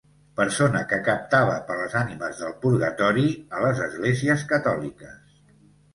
Persona que captava per les ànimes del purgatori a les esglésies catòliques.